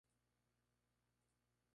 Alois decidió abandonar a su familia.